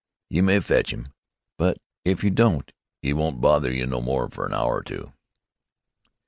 You may fetch 'im. But if you don't, 'e won't bother you no more fer an hour or two."